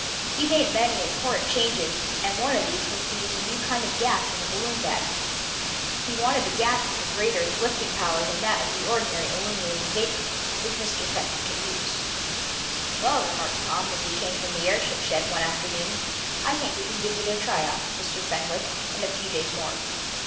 He made many important changes, and one of these was to use a new kind of gas in the balloon bag. He wanted a gas with a greater lifting power than that of the ordinary illuminating vapor which Mr. Fenwick had used. "Well," remarked Tom, as he came from the airship shed one afternoon, "I think we can give it a try out, Mr. Fenwick, in a few days more.